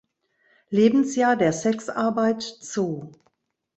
Lebensjahr der Sexarbeit zu.